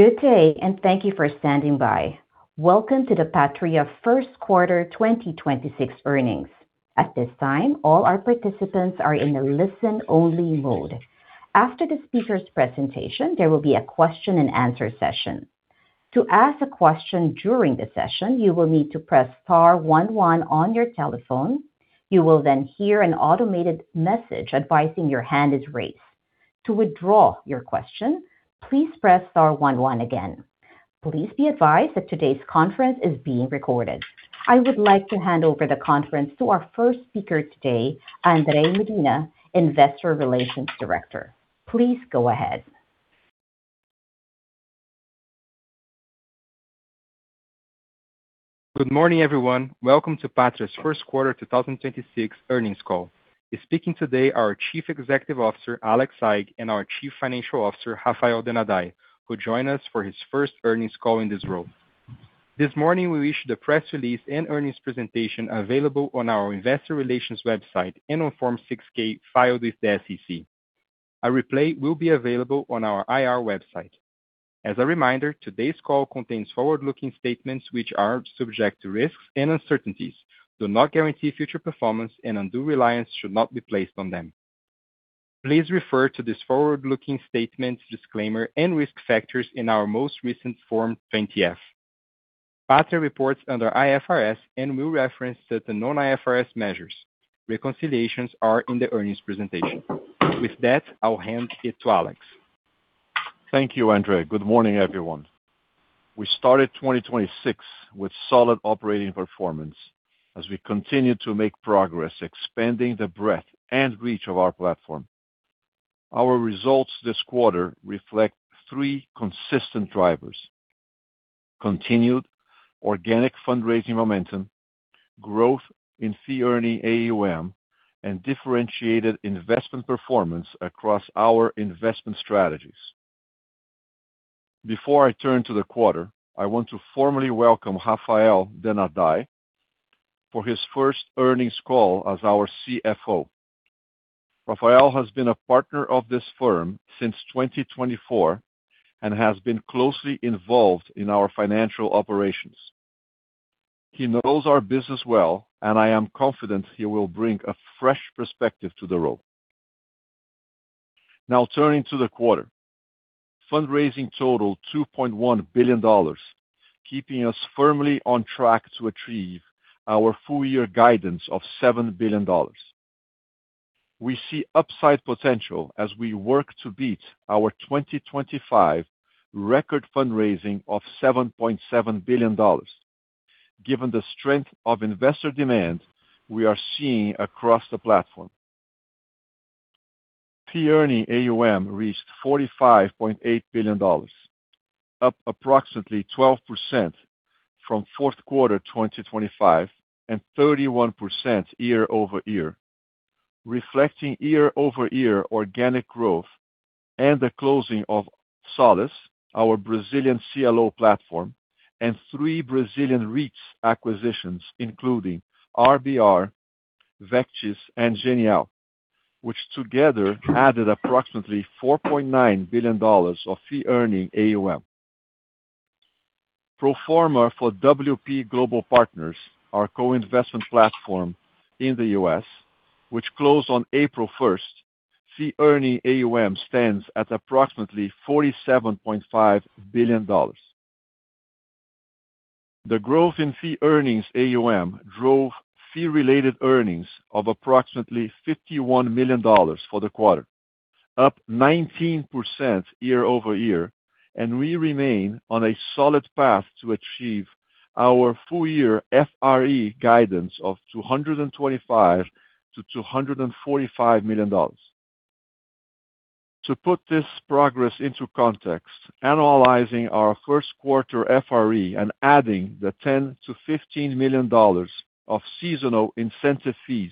Good day, and thank you for standing by. Welcome to the Patria first quarter 2026 earnings. At this time, all our participants are in a listen-only mode. After the speaker's presentation, there will be a question and answer session. Please be advised that today's conference is being recorded. I would like to hand over the conference to our first speaker today, Andre Medina, Investor Relations Director. Please go ahead. Good morning, everyone. Welcome to Patria's first quarter 2026 earnings call. Speaking today are our Chief Executive Officer, Alex Saigh, and our Chief Financial Officer, Raphael Denadai, who join us for his first earnings call in this role. This morning we issued a press release and earnings presentation available on our investor relations website and on Form 6-K filed with the SEC. A replay will be available on our IR website. As a reminder, today's call contains forward-looking statements which are subject to risks and uncertainties, do not guarantee future performance, and undue reliance should not be placed on them. Please refer to these forward-looking statements disclaimer and risk factors in our most recent Form 20-F. Patria reports under IFRS and will reference certain non-IFRS measures. Reconciliations are in the earnings presentation. With that, I'll hand it to Alex. Thank you, Andre. Good morning, everyone. We started 2026 with solid operating performance as we continue to make progress expanding the breadth and reach of our platform. Our results this quarter reflect three consistent drivers: continued organic fundraising momentum, growth in Fee-Earning AUM, and differentiated investment performance across our investment strategies. Before I turn to the quarter, I want to formally welcome Raphael Denadai for his first earnings call as our CFO. Raphael has been a partner of this firm since 2024 and has been closely involved in our financial operations. He knows our business well, I am confident he will bring a fresh perspective to the role. Now turning to the quarter. Fundraising totaled $2.1 billion, keeping us firmly on track to achieve our full year guidance of $7 billion. We see upside potential as we work to beat our 2025 record fundraising of $7.7 billion given the strength of investor demand we are seeing across the platform. Fee-earning AUM reached $45.8 billion, up approximately 12% from fourth quarter 2025 and 31% year-over-year, reflecting year-over-year organic growth and the closing of Solis, our Brazilian CLO platform, and three Brazilian REITs acquisitions, including RBR, Vectis, and Genial, which together added approximately $4.9 billion of Fee-earning AUM. Pro forma for WP Global Partners, our co-investment platform in the U.S., which closed on April 1st, Fee-earning AUM stands at approximately $47.5 billion. The growth in Fee-Earning AUM drove fee-related earnings of approximately $51 million for the quarter, up 19% year-over-year, and we remain on a solid path to achieve our full year FRE guidance of $225 million-$245 million. To put this progress into context, analyzing our first quarter FRE and adding the $10 million-$15 million of seasonal incentive fees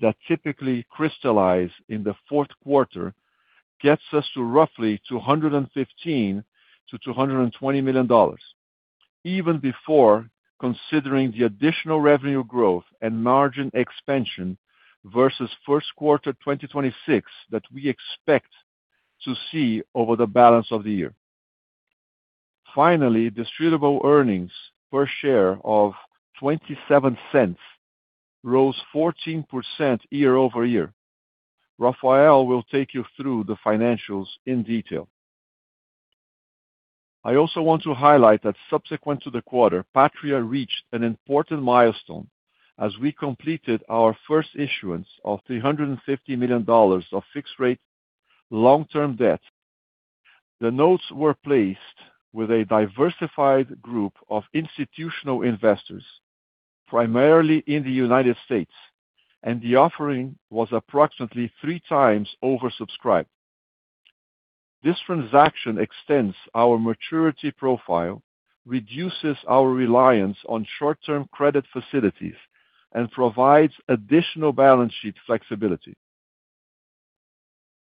that typically crystallize in the fourth quarter gets us to roughly $215 million-$220 million even before considering the additional revenue growth and margin expansion versus first quarter 2026 that we expect to see over the balance of the year. Finally, Distributable Earnings per share of $0.27 rose 14% year-over-year. Raphael will take you through the financials in detail. I also want to highlight that subsequent to the quarter, Patria reached an important milestone as we completed our first issuance of $350 million of fixed rate long-term debt. The notes were placed with a diversified group of institutional investors, primarily in the U.S., the offering was approximately three times oversubscribed. This transaction extends our maturity profile, reduces our reliance on short-term credit facilities, and provides additional balance sheet flexibility.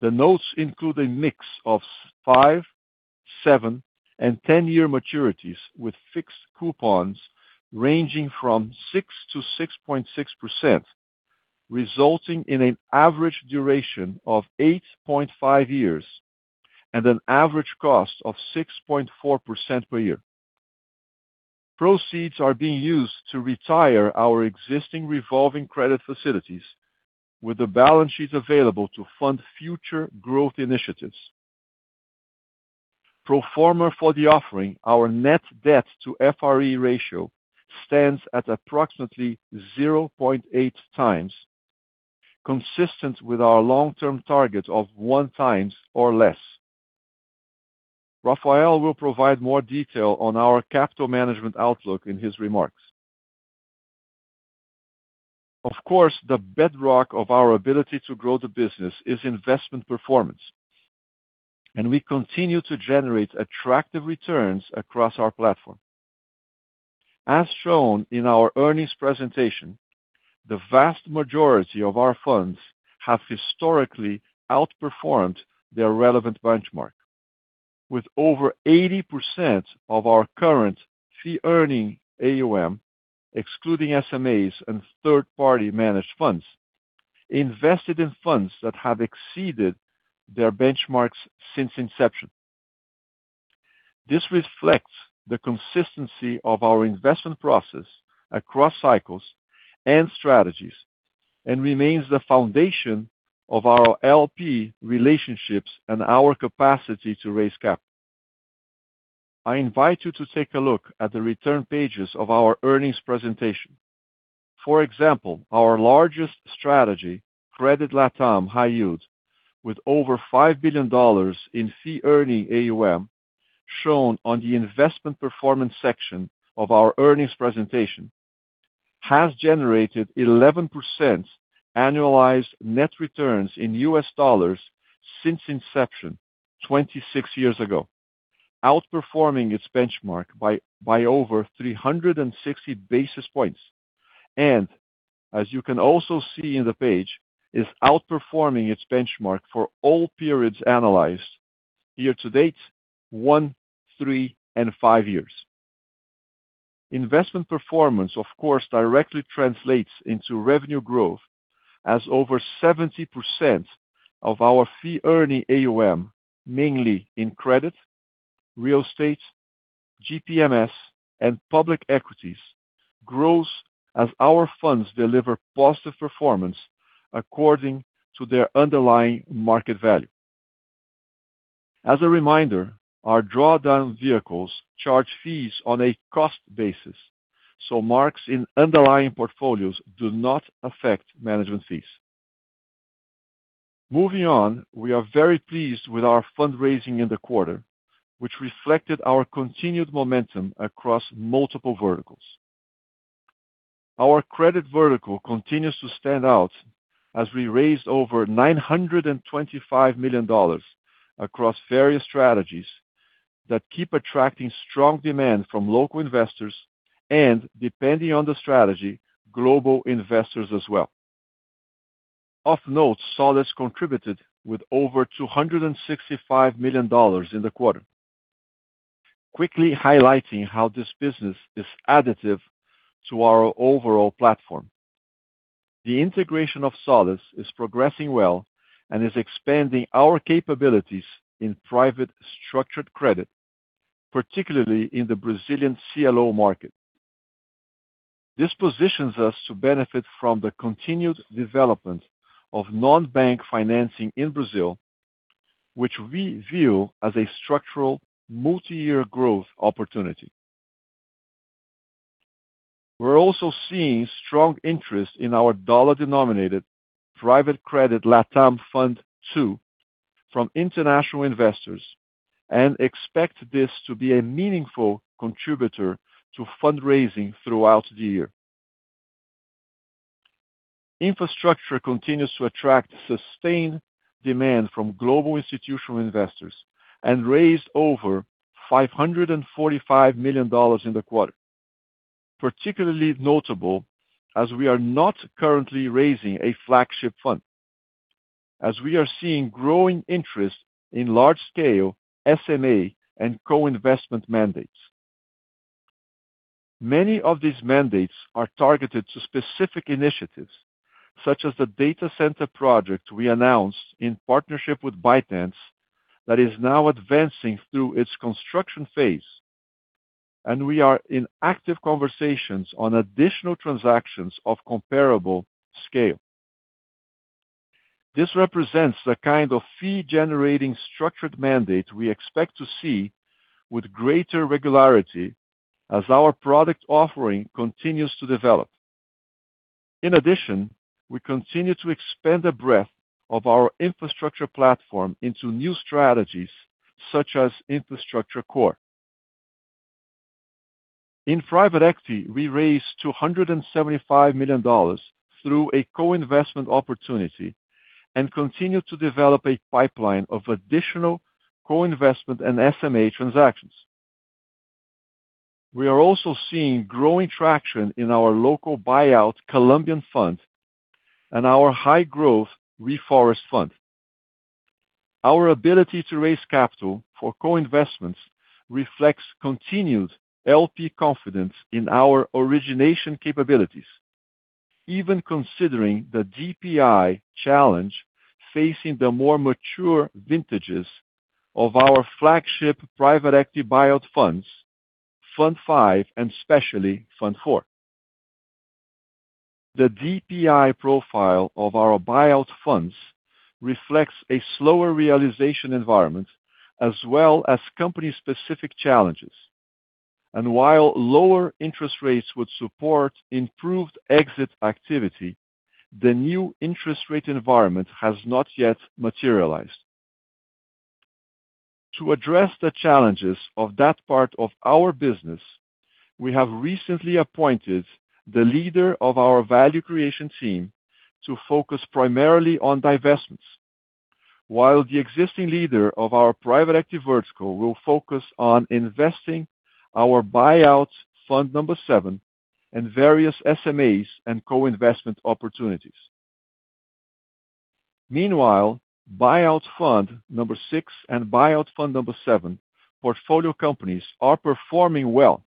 The notes include a mix of five, seven, and 10-year maturities with fixed coupons ranging from 6%-6.6%, resulting in an average duration of 8.5 years and an average cost of 6.4% per year. Proceeds are being used to retire our existing revolving credit facilities with the balance sheet available to fund future growth initiatives. Pro forma for the offering, our net debt to FRE ratio stands at approximately 0.8x, consistent with our long-term target of 1x or less. Raphael will provide more detail on our capital management outlook in his remarks. Of course, the bedrock of our ability to grow the business is investment performance, and we continue to generate attractive returns across our platform. As shown in our earnings presentation, the vast majority of our funds have historically outperformed their relevant benchmark. With over 80% of our current Fee-Earning AUM, excluding SMAs and third-party managed funds, invested in funds that have exceeded their benchmarks since inception. This reflects the consistency of our investment process across cycles and strategies and remains the foundation of our LP relationships and our capacity to raise capital. I invite you to take a look at the return pages of our earnings presentation. For example, our largest strategy, Credit LatAm High Yield, with over $5 billion in Fee-Earning AUM shown on the investment performance section of our earnings presentation, has generated 11% annualized net returns in USD since inception 26 years ago, outperforming its benchmark by over 360 basis points. As you can also see in the page, is outperforming its benchmark for all periods analyzed year-to-date, one, three and five years. Investment performance, of course, directly translates into revenue growth as over 70% of our Fee-Earning AUM, mainly in credit, real estate, GPMS and public equities, grows as our funds deliver positive performance according to their underlying market value. As a reminder, our drawdown vehicles charge fees on a cost basis, so marks in underlying portfolios do not affect management fees. Moving on, we are very pleased with our fundraising in the quarter, which reflected our continued momentum across multiple verticals. Our credit vertical continues to stand out as we raised over $925 million across various strategies that keep attracting strong demand from local investors and depending on the strategy, global investors as well. Of note, Solis contributed with over $265 million in the quarter, quickly highlighting how this business is additive to our overall platform. The integration of Solis is progressing well and is expanding our capabilities in private structured credit, particularly in the Brazilian CLO market. This positions us to benefit from the continued development of non-bank financing in Brazil, which we view as a structural multi-year growth opportunity. We're also seeing strong interest in our dollar-denominated Private Credit LatAm Fund II from international investors and expect this to be a meaningful contributor to fundraising throughout the year. Infrastructure continues to attract sustained demand from global institutional investors and raised over $545 million in the quarter. Particularly notable as we are not currently raising a flagship fund, as we are seeing growing interest in large-scale SMA and co-investment mandates. Many of these mandates are targeted to specific initiatives, such as the data center project we announced in partnership with ByteDance that is now advancing through its construction phase, and we are in active conversations on additional transactions of comparable scale. This represents the kind of fee-generating structured mandate we expect to see with greater regularity as our product offering continues to develop. In addition, we continue to expand the breadth of our Infrastructure platform into new strategies such as Infrastructure Core. In private equity, we raised $275 million through a co-investment opportunity and continue to develop a pipeline of additional co-investment and SMA transactions. We are also seeing growing traction in our local buyout Colombian fund and our high growth reforest fund. Our ability to raise capital for co-investments reflects continued LP confidence in our origination capabilities, even considering the DPI challenge facing the more mature vintages of our flagship private equity buyout funds, Fund V, and especially Fund IV. The DPI profile of our buyout funds reflects a slower realization environment as well as company-specific challenges. While lower interest rates would support improved exit activity, the new interest rate environment has not yet materialized. To address the challenges of that part of our business, we have recently appointed the leader of our value creation team to focus primarily on divestments. While the existing leader of our private equity vertical will focus on investing our Buyout Fund VII and various SMAs and co-investment opportunities. Meanwhile, Buyout Fund VI and Buyout Fund VII portfolio companies are performing well,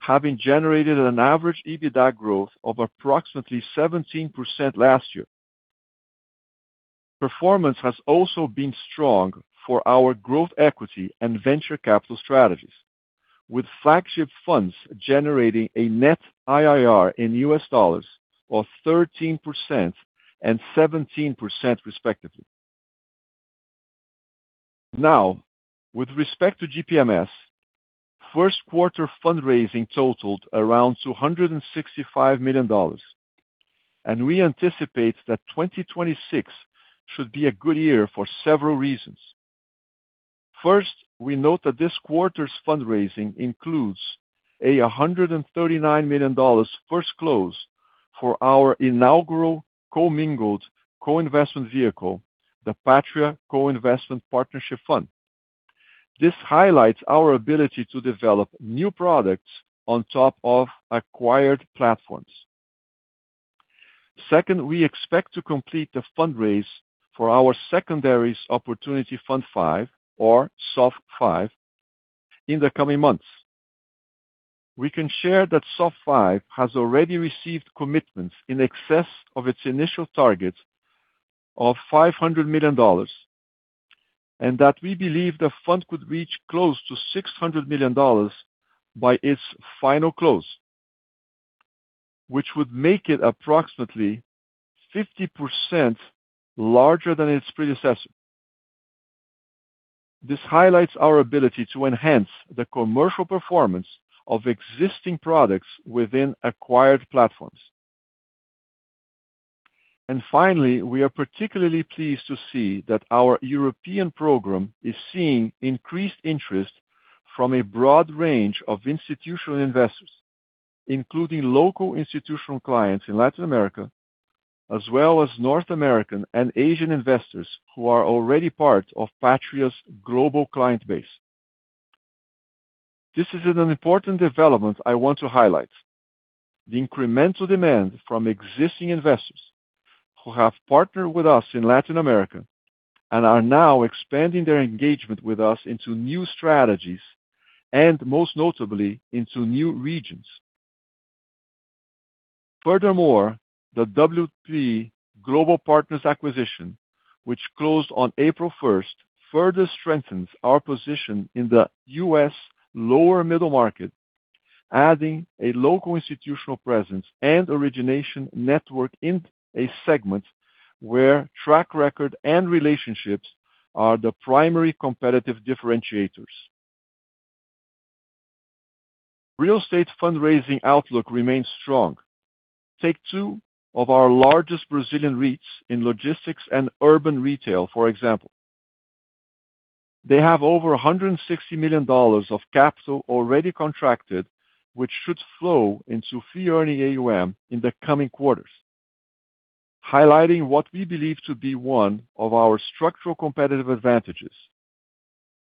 having generated an average EBITDA growth of approximately 17% last year. Performance has also been strong for our growth equity and venture capital strategies, with flagship funds generating a net IRR in US dollars of 13% and 17% respectively. With respect to GPMS, first quarter fundraising totaled around $265 million, and we anticipate that 2026 should be a good year for several reasons. We note that this quarter's fundraising includes a $139 million first close for our inaugural commingled co-investment vehicle, the Patria Co-Investment Partnership Fund. This highlights our ability to develop new products on top of acquired platforms. We expect to complete the fundraise for our secondaries opportunity Fund V or SOF V in the coming months. We can share that SOF V has already received commitments in excess of its initial target of $500 million, and that we believe the fund could reach close to $600 million by its final close, which would make it approximately 50% larger than its predecessor. This highlights our ability to enhance the commercial performance of existing products within acquired platforms. Finally, we are particularly pleased to see that our European program is seeing increased interest from a broad range of institutional investors, including local institutional clients in Latin America, as well as North American and Asian investors who are already part of Patria's global client base. This is an important development I want to highlight. The incremental demand from existing investors who have partnered with us in Latin America and are now expanding their engagement with us into new strategies and most notably into new regions. Furthermore, the WP Global Partners acquisition, which closed on April 1st, further strengthens our position in the U.S. lower middle market, adding a local institutional presence and origination network in a segment where track record and relationships are the primary competitive differentiators. Real estate fundraising outlook remains strong. Take two of our largest Brazilian REITs in logistics and urban retail, for example. They have over $160 million of capital already contracted, which should flow into Fee-Earning AUM in the coming quarters, highlighting what we believe to be one of our structural competitive advantages.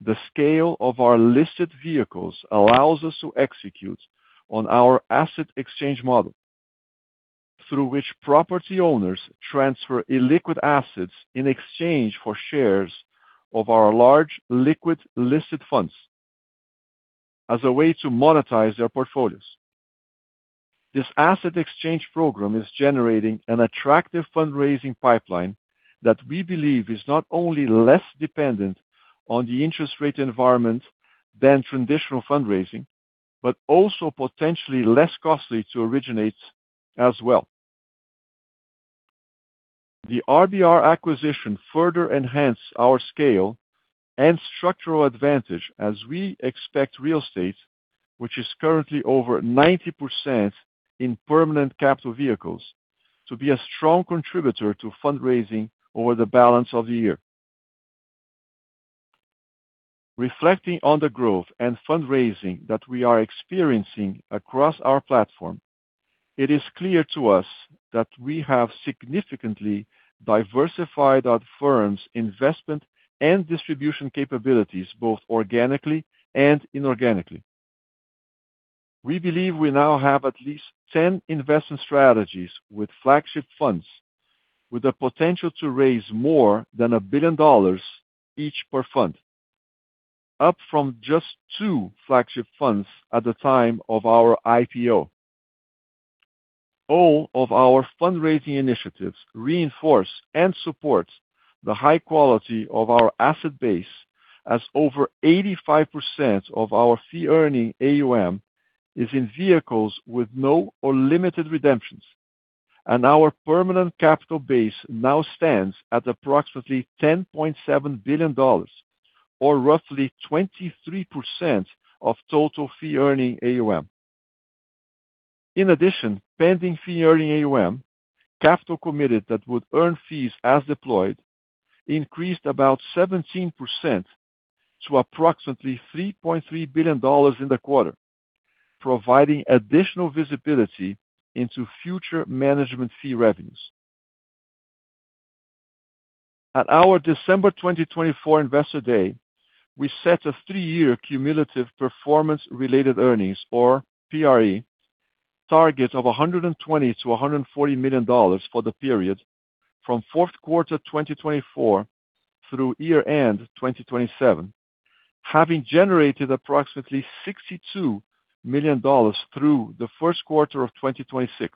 The scale of our listed vehicles allows us to execute on our asset exchange model through which property owners transfer illiquid assets in exchange for shares of our large liquid listed funds as a way to monetize their portfolios. This asset exchange program is generating an attractive fundraising pipeline that we believe is not only less dependent on the interest rate environment than traditional fundraising, but also potentially less costly to originate as well. The RBR acquisition further enhance our scale and structural advantage as we expect real estate, which is currently over 90% in permanent capital vehicles, to be a strong contributor to fundraising over the balance of the year. Reflecting on the growth and fundraising that we are experiencing across our platform, it is clear to us that we have significantly diversified our firm's investment and distribution capabilities, both organically and inorganically. We believe we now have at least 10 investment strategies with flagship funds, with the potential to raise more than $1 billion each per fund, up from just two flagship funds at the time of our IPO. All of our fundraising initiatives reinforce and support the high quality of our asset base as over 85% of our Fee-Earning AUM is in vehicles with no or limited redemptions. Our permanent capital base now stands at approximately $10.7 billion or roughly 23% of total Fee-Earning AUM. In addition, pending Fee-Earning AUM, capital committed that would earn fees as deployed increased about 17% to approximately $3.3 billion in the quarter, providing additional visibility into future management fee revenues. At our December 2024 Investor Day, we set a three-year cumulative performance-related earnings or PRE target of $120 million-$140 million for the period from fourth quarter 2024 through year-end 2027, having generated approximately $62 million through the first quarter of 2026.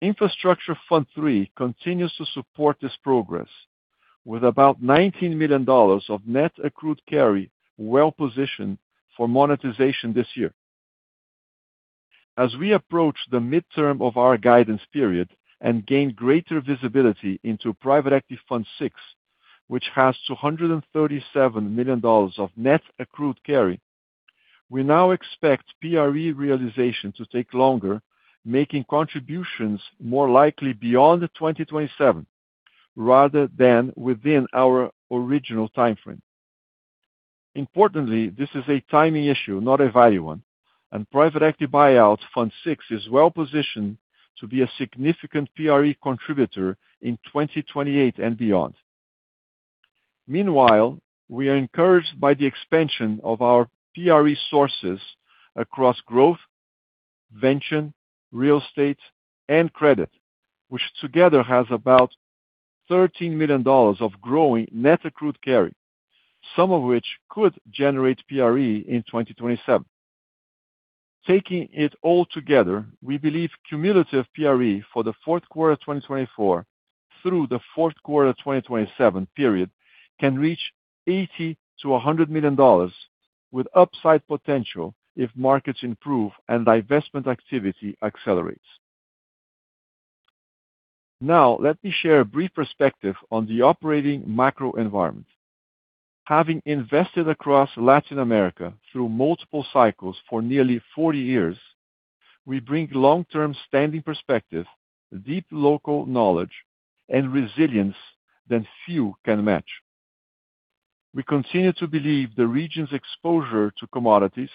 Infrastructure Fund III continues to support this progress with about $19 million of net accrued carry well-positioned for monetization this year. As we approach the midterm of our guidance period and gain greater visibility into Private Equity Fund VI, which has $237 million of net accrued carry, we now expect PRE realization to take longer, making contributions more likely beyond 2027 rather than within our original timeframe. Importantly, this is a timing issue, not a value one, and Private Equity Fund VI is well-positioned to be a significant PRE contributor in 2028 and beyond. Meanwhile, we are encouraged by the expansion of our PRE sources across growth, venture, real estate, and credit, which together has about $13 million of growing net accrued carry, some of which could generate PRE in 2027. Taking it all together, we believe cumulative PRE for the fourth quarter 2024 through the fourth quarter 2027 period can reach $80 million-$100 million with upside potential if markets improve and divestment activity accelerates. Let me share a brief perspective on the operating macro environment. Having invested across Latin America through multiple cycles for nearly 40 years, we bring long-term standing perspective, deep local knowledge, and resilience that few can match. We continue to believe the region's exposure to commodities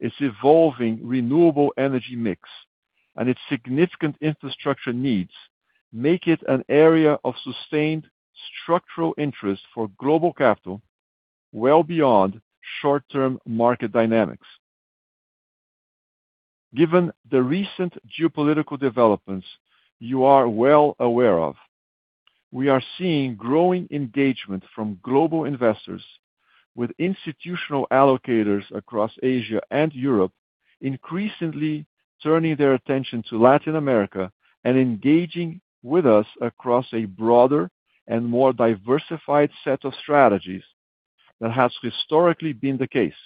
is evolving renewable energy mix, and its significant infrastructure needs make it an area of sustained structural interest for global capital well beyond short-term market dynamics. Given the recent geopolitical developments you are well aware of, we are seeing growing engagement from global investors with institutional allocators across Asia and Europe increasingly turning their attention to Latin America and engaging with us across a broader and more diversified set of strategies than has historically been the case.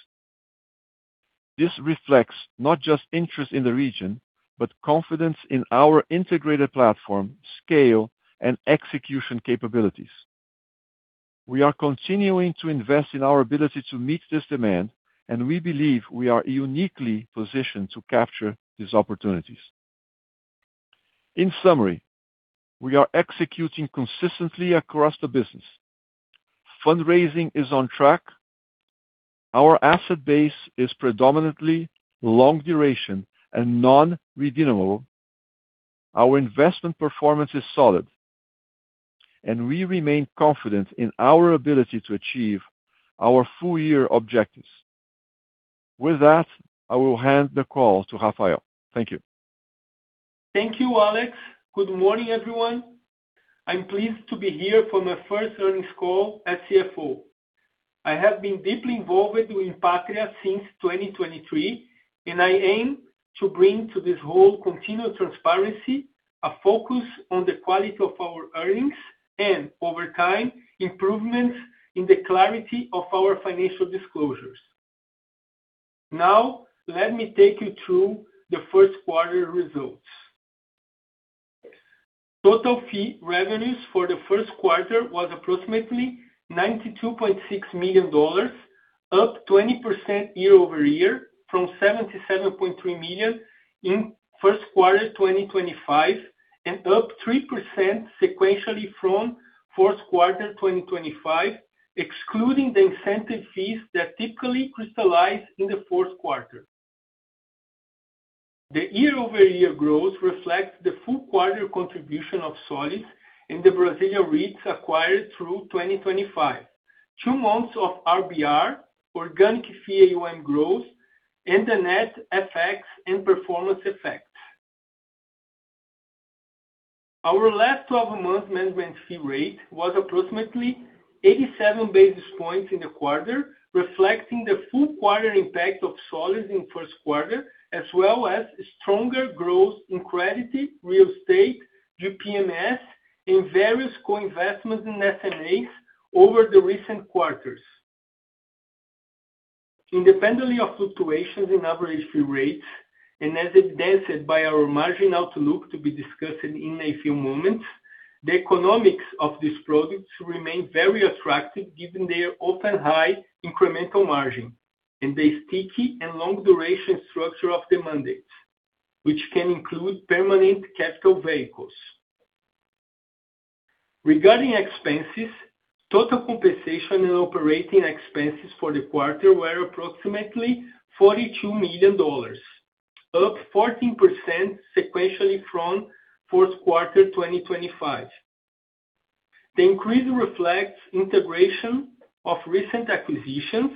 This reflects not just interest in the region, but confidence in our integrated platform, scale, and execution capabilities. We are continuing to invest in our ability to meet this demand, and we believe we are uniquely positioned to capture these opportunities. In summary, we are executing consistently across the business. Fundraising is on track. Our asset base is predominantly long duration and non-redeemable. Our investment performance is solid, and we remain confident in our ability to achieve our full-year objectives. With that, I will hand the call to Raphael. Thank you. Thank you, Alex. Good morning, everyone. I am pleased to be here for my first earnings call as CFO. I have been deeply involved with Patria since 2023, and I aim to bring to this role continued transparency, a focus on the quality of our earnings, and over time, improvements in the clarity of our financial disclosures. Now, let me take you through the first quarter results. Total fee revenues for the first quarter was approximately $92.6 million, up 20% year-over-year from $77.3 million in first quarter 2025 and up 3% sequentially from fourth quarter 2025, excluding the incentive fees that typically crystallize in the fourth quarter. The year-over-year growth reflects the full quarter contribution of Solis in the Brazilian REITs acquired through 2025, two months of RBR, organic fee AUM growth, and the net FX and performance effects. Our last 12 month management fee rate was approximately 87 basis points in the quarter, reflecting the full quarter impact of Solis in first quarter, as well as stronger growth in credit, real estate, GPMS, and various co-investments in SMAs over the recent quarters. Independently of fluctuations in average fee rates, as evidenced by our marginal outlook to be discussed in a few moments, the economics of these products remain very attractive given their often high incremental margin and the sticky and long duration structure of the mandates, which can include permanent capital vehicles. Regarding expenses, total compensation and operating expenses for the quarter were approximately $42 million, up 14% sequentially from fourth quarter 2025. The increase reflects integration of recent acquisitions,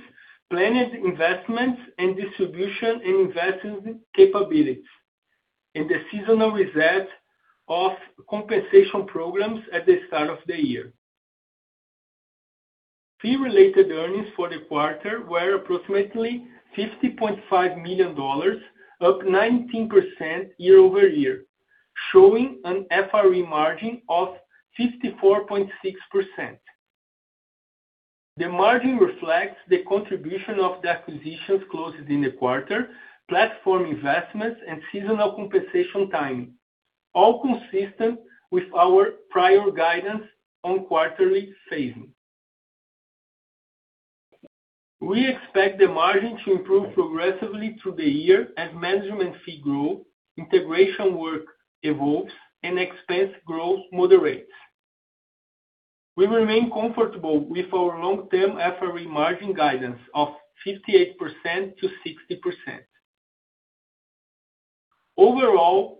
planned investments in distribution and investment capabilities, and the seasonal reset of compensation programs at the start of the year. Fee-Related Earnings for the quarter were approximately $50.5 million, up 19% year-over-year, showing an FRE margin of 54.6%. The margin reflects the contribution of the acquisitions closed in the quarter, platform investments, and seasonal compensation timing, all consistent with our prior guidance on quarterly phasing. We expect the margin to improve progressively through the year as management fees grow, integration work evolves, and expense growth moderates. We remain comfortable with our long-term FRE margin guidance of 58%-60%.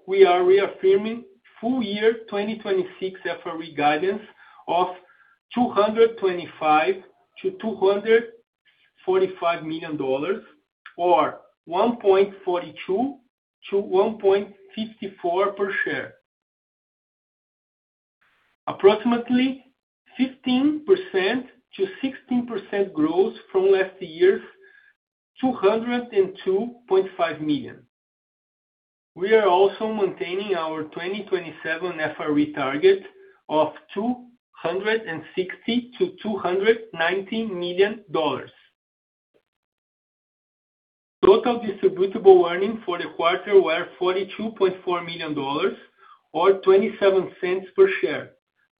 We are reaffirming full year 2026 FRE guidance of $225 million-$245 million or $1.42-$1.54 per share. Approximately 15%-16% growth from last year's $202.5 million. We are also maintaining our 2027 FRE target of $260 million-$290 million. Total Distributable Earnings for the quarter were $42.4 million or $0.27 per share,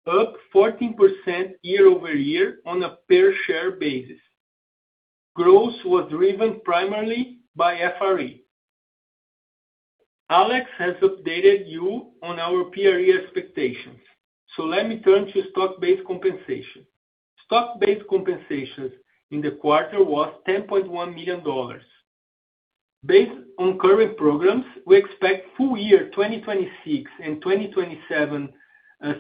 up 14% year-over-year on a per share basis. Growth was driven primarily by FRE. Alex has updated you on our PRE expectations, so let me turn to Stock-Based Compensation. Stock-Based Compensation in the quarter was $10.1 million. Based on current programs, we expect full year 2026 and 2027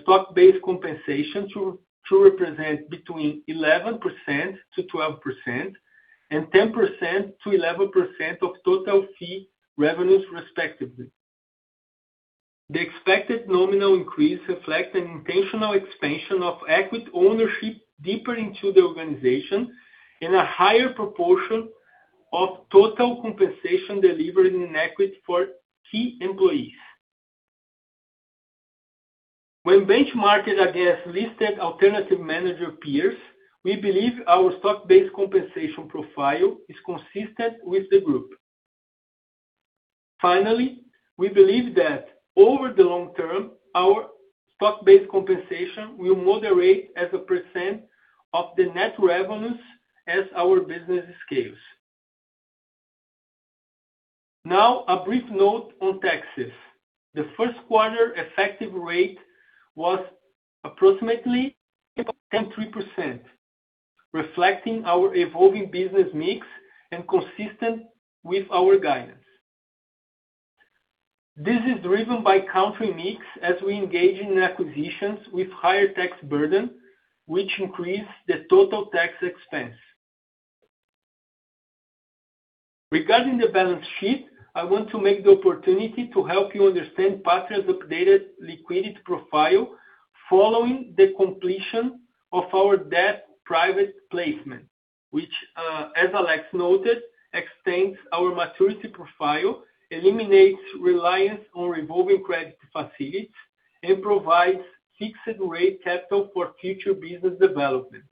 Stock-Based Compensation to represent between 11%-12% and 10%-11% of total fee revenues respectively. The expected nominal increase reflects an intentional expansion of equity ownership deeper into the organization and a higher proportion of total compensation delivered in equity for key employees. When benchmarked against listed alternative manager peers, we believe our stock-based compensation profile is consistent with the group. Finally, we believe that over the long term, our stock-based compensation will moderate as a percent of the net revenues as our business scales. A brief note on taxes. The first quarter effective rate was approximately 10.3%, reflecting our evolving business mix and consistent with our guidance. This is driven by country mix as we engage in acquisitions with higher tax burden, which increase the total tax expense. Regarding the balance sheet, I want to make the opportunity to help you understand Patria's updated liquidity profile following the completion of our debt private placement, which, as Alex noted, extends our maturity profile, eliminates reliance on revolving credit facilities, and provides fixed rate capital for future business development.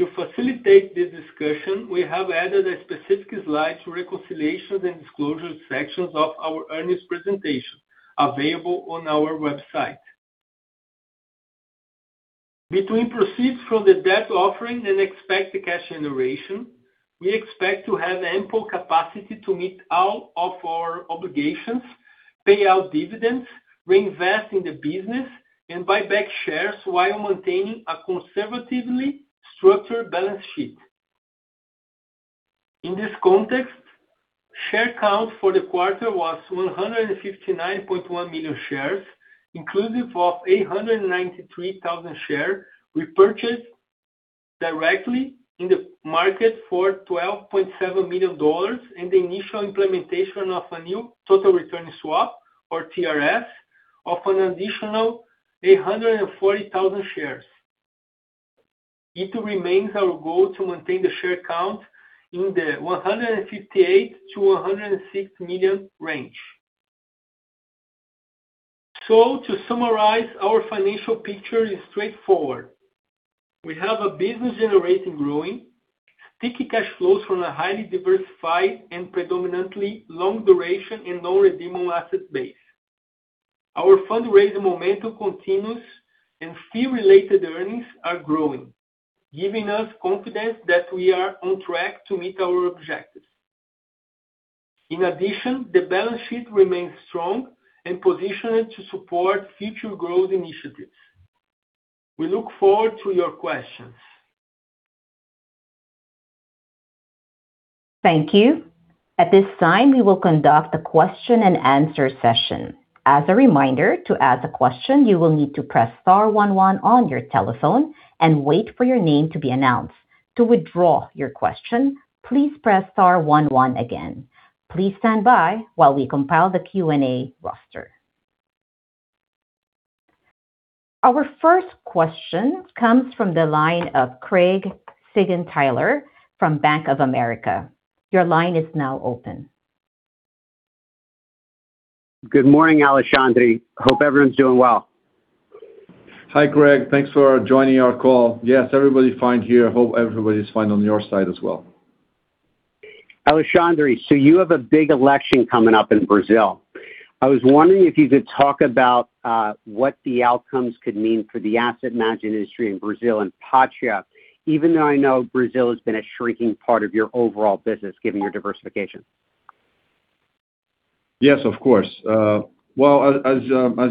To facilitate this discussion, we have added a specific slide to reconciliations and disclosure sections of our earnings presentation available on our website. Between proceeds from the debt offering and expected cash generation, we expect to have ample capacity to meet all of our obligations. Pay out dividends, reinvest in the business, and buy back shares while maintaining a conservatively structured balance sheet. In this context, share count for the quarter was 159.1 million shares, inclusive of 893,000 share repurchased directly in the market for $12.7 million, and the initial implementation of a new Total Return Swap or TRS of an additional 840,000 shares. It remains our goal to maintain the share count in the 158 million-106 million range. To summarize, our financial picture is straightforward. We have a business generating growing, sticky cash flows from a highly diversified and predominantly long duration and low redeem on asset base. Our fundraising momentum continues and fee-related earnings are growing, giving us confidence that we are on track to meet our objectives. In addition, the balance sheet remains strong and positioned to support future growth initiatives. We look forward to your questions. Thank you. At this time, we will conduct a question-and-answer session. As a reminder, to ask a question, you will need to press star one one on your telephone and wait for your name to be announced. To withdraw your question, please press star one one again. Please stand by while we compile the Q&A roster. Our first question comes from the line of Craig Siegenthaler from Bank of America. Your line is now open. Good morning, Alexandre. Hope everyone's doing well. Hi, Craig. Thanks for joining our call. Yes, everybody fine here. Hope everybody's fine on your side as well. Alexandre, you have a big election coming up in Brazil. I was wondering if you could talk about what the outcomes could mean for the asset management industry in Brazil and Patria, even though I know Brazil has been a shrinking part of your overall business, given your diversification. Yes, of course. Well, as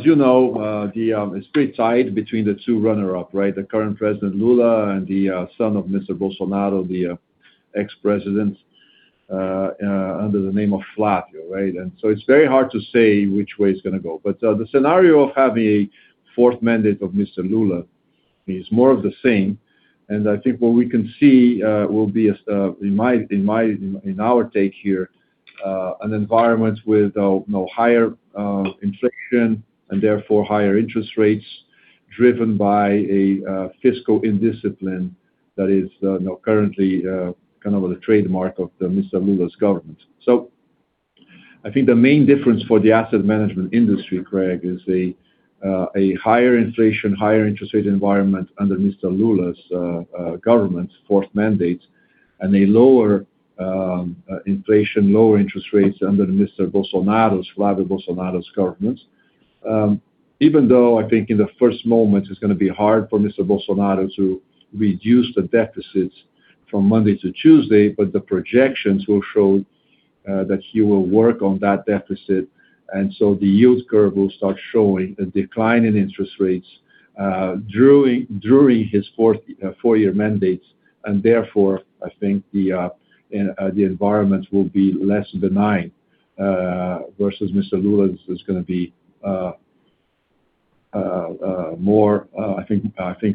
you know, it's pretty tied between the two runner-up, right? The current President Lula and the son of Mr. Bolsonaro, the ex-president, under the name of Flavio, right? It's very hard to say which way it's gonna go. The scenario of having a fourth mandate of Mr. Lula is more of the same. I think what we can see will be as in our take here, an environment with you know, higher inflation and therefore higher interest rates driven by a fiscal indiscipline that is you know, currently kind of the trademark of the Mr. Lula's government. I think the main difference for the asset management industry, Craig, is a higher inflation, higher interest rate environment under Mr. Lula's government's fourth mandate and a lower inflation, lower interest rates under Mr. Bolsonaro's, Jair Bolsonaro's government. Even though I think in the first moment it's gonna be hard for Mr. Bolsonaro to reduce the deficits from Monday to Tuesday, the projections will show that he will work on that deficit, the yield curve will start showing a decline in interest rates during his fourth four-year mandate, therefore, I think the environment will be less benign versus Mr. Lula's is gonna be more, I think,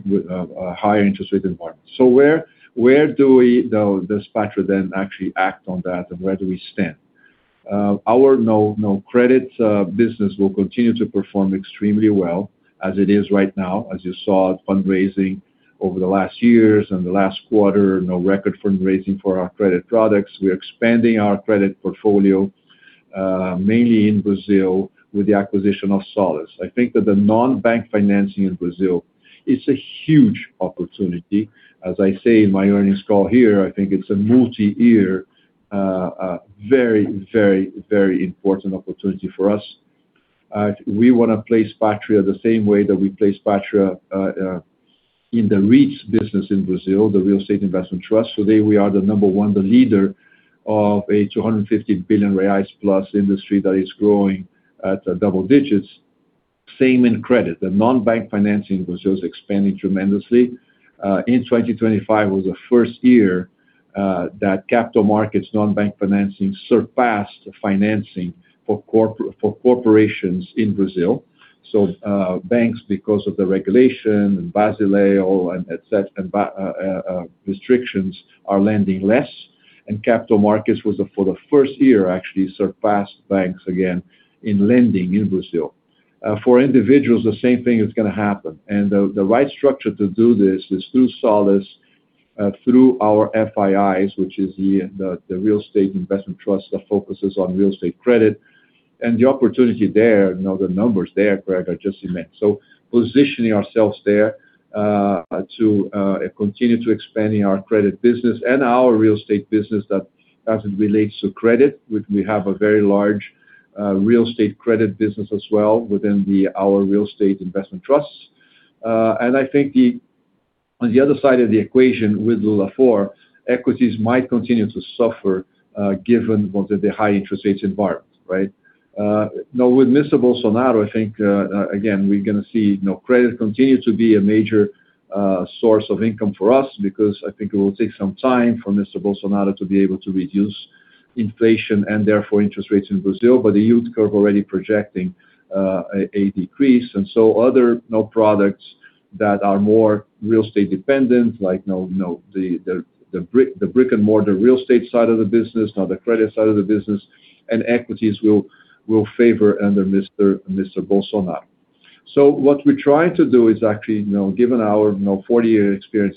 with a higher interest rate environment. Where do we, does Patria then actually act on that, and where do we stand? Our, you know, credit business will continue to perform extremely well as it is right now. As you saw, fundraising over the last years and the last quarter, record fundraising for our credit products. We're expanding our credit portfolio, mainly in Brazil with the acquisition of Solis. I think that the non-bank financing in Brazil is a huge opportunity. As I say in my earnings call here, I think it's a multi-year, very important opportunity for us. We wanna place Patria the same way that we place Patria in the REITs business in Brazil, the Real Estate Investment Trust. There we are the number one, the leader of a 250 billion reais plus industry that is growing at a double digits. Same in credit. The non-bank financing in Brazil is expanding tremendously. In 2025 was the first year that capital markets non-bank financing surpassed financing for corporations in Brazil. Banks, because of the regulation and Basel and et cetera, and restrictions are lending less. Capital markets was for the first year actually surpassed banks again in lending in Brazil. For individuals, the same thing is gonna happen. The right structure to do this is through Solis, through our FIIs, which is the real estate investment trust that focuses on real estate credit. The opportunity there, you know, the numbers there, Craig, are just immense. Positioning ourselves there to continue to expanding our credit business and our real estate business that as it relates to credit, we have a very large real estate credit business as well within our real estate investment trusts. I think on the other side of the equation with Lula 4, equities might continue to suffer given what the high interest rates environment, right. Now with Mr. Bolsonaro, I think again, we're gonna see, you know, credit continue to be a major source of income for us because I think it will take some time for Mr. Bolsonaro to be able to reduce inflation, and therefore interest rates in Brazil. The yield curve already projecting a decrease. Other, you know, products that are more real estate dependent, like, you know, the brick-and-mortar real estate side of the business, not the credit side of the business, and equities will favor under Mr. Bolsonaro. What we're trying to do is actually, you know, given our, you know, 40-year experience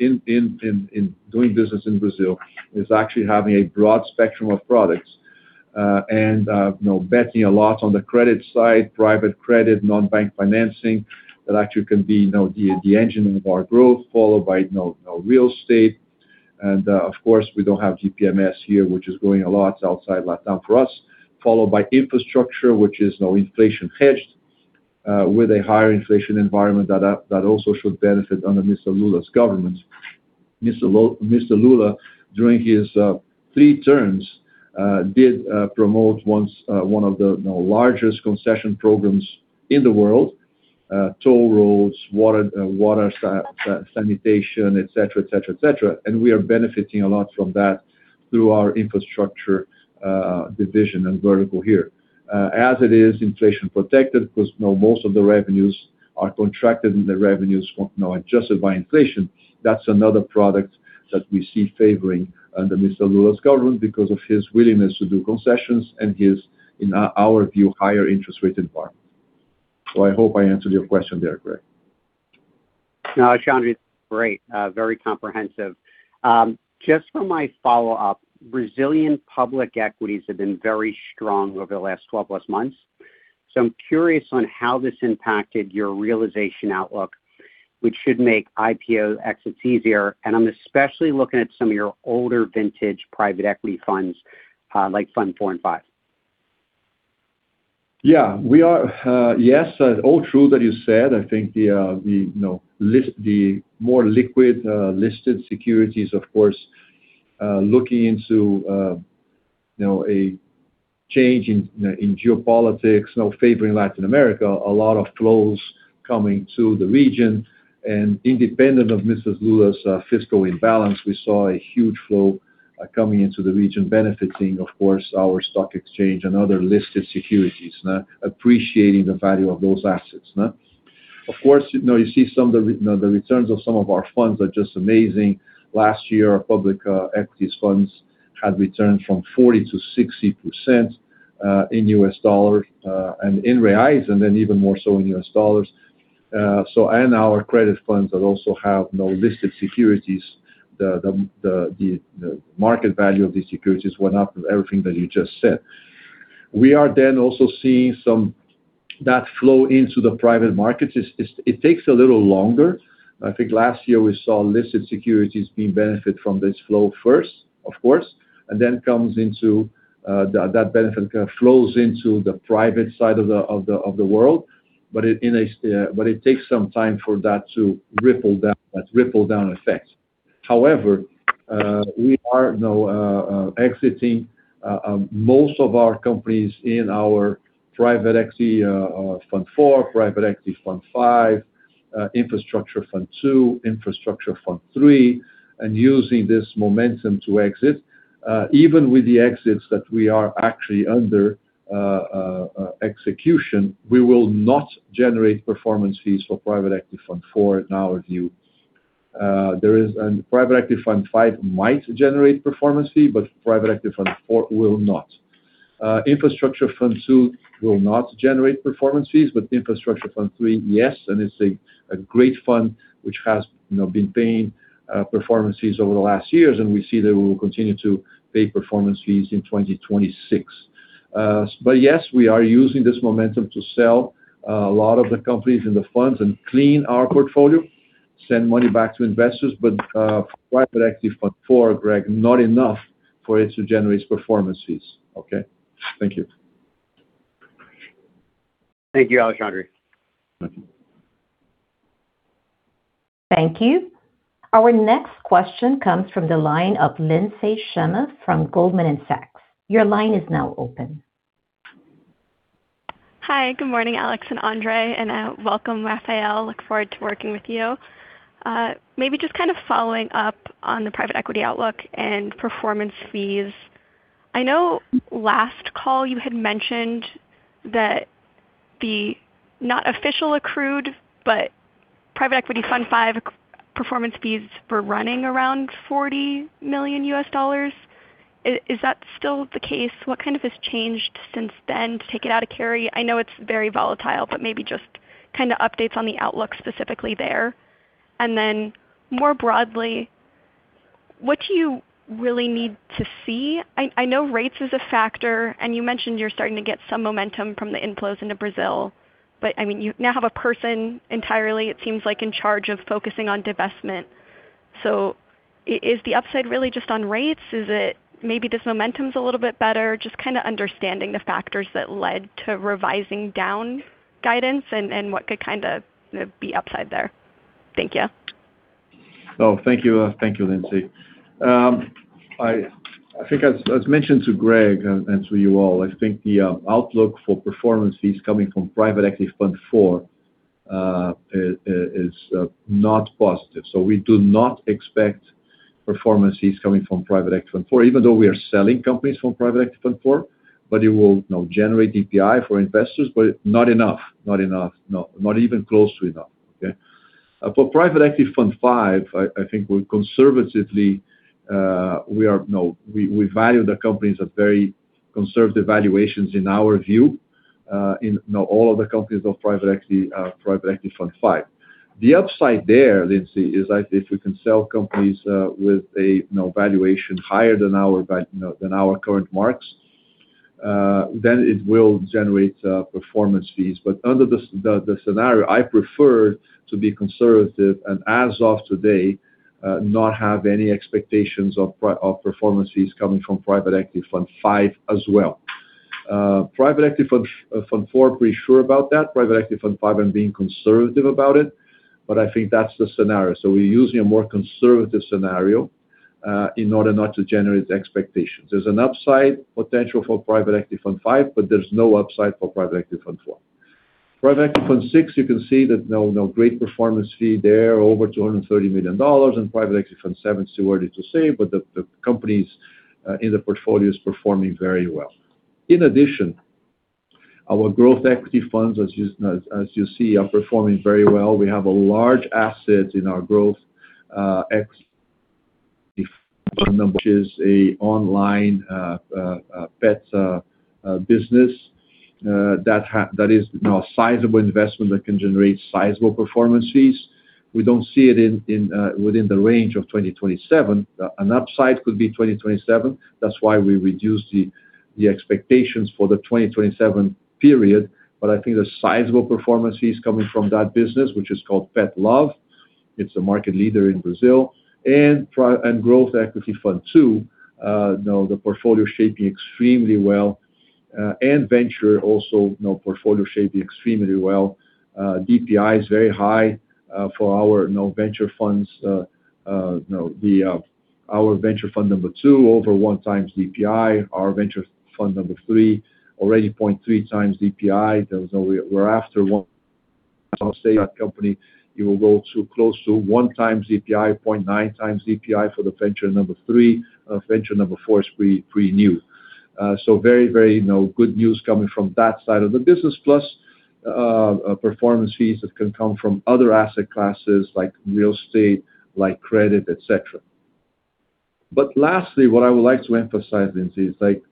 in doing business in Brazil, is actually having a broad spectrum of products. And, you know, betting a lot on the credit side, private credit, non-bank financing that actually can be, you know, the engine of our growth, followed by, you know, real estate. Of course, we don't have GPMS here, which is growing a lot outside LatAm for us, followed by infrastructure, which is, you know, inflation-hedged, with a higher inflation environment that also should benefit under Mr. Lula's government. Mr. Lula, during his three terms, did promote once, one of the, you know, largest concession programs in the world, toll roads, water sanitation, et cetera, et cetera, et cetera. We are benefiting a lot from that through our infrastructure division and vertical here. As it is inflation protected because, you know, most of the revenues are contracted and the revenues from, you know, adjusted by inflation. That's another product that we see favoring under Mr. Lula's government because of his willingness to do concessions and his, in our view, higher interest rate environment. I hope I answered your question there, Craig. No, Alexandre, great. Very comprehensive. Just for my follow-up, Brazilian public equities have been very strong over the last 12+ months. I'm curious on how this impacted your realization outlook, which should make IPO exits easier, and I'm especially looking at some of your older vintage private equity funds, like Fund IV and V. Yeah. We are, yes, all true that you said. I think the, you know, the more liquid, listed securities, of course, looking into, you know, a change in geopolitics, you know, favoring Latin America, a lot of flows coming to the region. Independent of Mr. Lula's fiscal imbalance, we saw a huge flow coming into the region benefiting, of course, our stock exchange and other listed securities, appreciating the value of those assets. Of course, you know, you see some of the, you know, the returns of some of our funds are just amazing. Last year, our public equities funds had returned from 40%-60% in US dollars and in reais, and then even more so in US dollars. Our credit funds that also have no listed securities, the market value of these securities went up with everything that you just said. We are also seeing some that flow into the private markets is it takes a little longer. I think last year we saw listed securities being benefit from this flow first, of course, comes into that benefit kind of flows into the private side of the world. It takes some time for that to ripple down, that ripple down effect. We are now exiting most of our companies in our Private Equity Fund IV, Private Equity Fund V, Infrastructure Fund II, Infrastructure Fund III, and using this momentum to exit. Even with the exits that we are actually under execution, we will not generate performance fees for Private Equity Fund IV in our view. Private Equity Fund V might generate performance fee, but Private Equity Fund IV will not. Infrastructure Fund II will not generate performance fees, but Infrastructure Fund III, yes, and it's a great fund which has, you know, been paying performance fees over the last years, and we see that we will continue to pay performance fees in 2026. Yes, we are using this momentum to sell a lot of the companies in the funds and clean our portfolio, send money back to investors. Private Equity Fund IV, Craig, not enough for it to generate performance fees. Okay. Thank you. Thank you, Alexandre. Thank you. Thank you. Our next question comes from the line of Lindsey Shema from Goldman Sachs. Your line is now open. Hi, good morning, Alex, Andre, and welcome Raphael, look forward to working with you. Maybe just kind of following up on the private equity outlook and performance fees. I know last call you had mentioned that the not official accrued, but Private Equity Fund V performance fees were running around $40 million. Is that still the case? What kind of has changed since then to take it out of carry? I know it's very volatile, but maybe just kind of updates on the outlook specifically there. Then more broadly, what do you really need to see? I know rates is a factor, and you mentioned you're starting to get some momentum from the inflows into Brazil, but I mean, you now have a person entirely, it seems like, in charge of focusing on divestment. Is the upside really just on rates? Is it maybe this momentum's a little bit better? Just kinda understanding the factors that led to revising down guidance and what could kinda, you know, be upside there. Thank you. Thank you. Thank you, Lindsey. I think as mentioned to Craig and to you all, I think the outlook for performance fees coming from Private Equity Fund IV is not positive. We do not expect performance fees coming from Private Equity Fund IV, even though we are selling companies from Private Equity Fund IV. It will, you know, generate DPI for investors, but not enough. Not enough, no. Not even close to enough. Okay. For Private Equity Fund V, I think we conservatively value the companies at very conservative valuations in our view, in, you know, all of the companies of Private Equity Fund V. The upside there, Lindsey, is like if we can sell companies with a, you know, valuation higher than our current marks, then it will generate performance fees. Under the scenario, I prefer to be conservative and as of today, not have any expectations of performance fees coming from Private Equity Fund V as well. Private Equity Fund IV, pretty sure about that. Private Equity Fund V, I'm being conservative about it, but I think that's the scenario. We're using a more conservative scenario in order not to generate expectations. There's an upside potential for Private Equity Fund V, but there's no upside for Private Equity Fund IV. Private Equity Fund VI, you can see that, you know, no great performance fee there, over $230 million. Private Equity Fund VII's too early to say, but the companies in the portfolio is performing very well. In addition, our growth equity funds, as you see, are performing very well. We have a large asset in our growth equity fund, which is a online pet business that is, you know, a sizable investment that can generate sizable performance fees. We don't see it in within the range of 2027. An upside could be 2027. That's why we reduced the expectations for the 2027 period. I think there's sizable performance fees coming from that business, which is called Petlove. It's a market leader in Brazil. Patria Growth Equity Fund II, you know, the portfolio's shaping extremely well. Venture also, you know, portfolio's shaping extremely well. DPI is very high for our, you know, Venture Funds. You know, our Venture Fund II over 1x DPI. Our Venture Fund III already 0.3x DPI. We're after one that company, it will go to close to 1x DPI, 0.9xs DPI for the Venture III. Venture IV is pre-new. Very, you know, good news coming from that side of the business. Plus performance fees that can come from other asset classes like real estate, like credit, et cetera. Lastly, what I would like to emphasize, Lindsey, is like,